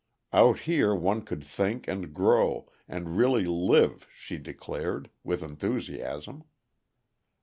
Out here one could think and grow and really live, she declared, with enthusiasm.